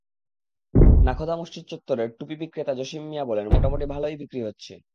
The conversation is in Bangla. নাখোদা মসজিদ চত্বরের টুপি বিক্রেতা জসিম মিয়া বললেন, মোটামুটি ভালোই বিক্রি হচ্ছে।